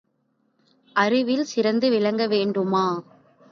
அறிவில் சிறந்து விளங்க வேண்டுமா?